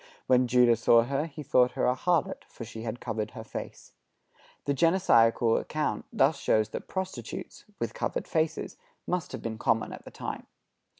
When Judah saw her he thought her a harlot, for she had covered her face." The Genesiacal account thus shows that prostitutes, with covered faces, must have been common at the time.